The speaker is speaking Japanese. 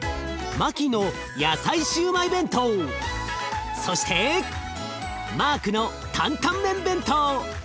マキの野菜シューマイ弁当そしてマークのタンタン麺弁当。